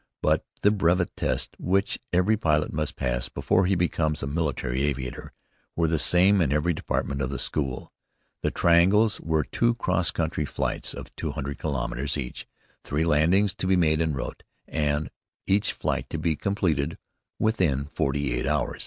But the brevet tests, which every pilot must pass before he becomes a military aviator, were the same in every department of the school. The triangles were two cross country flights of two hundred kilometres each, three landings to be made en route, and each flight to be completed within forty eight hours.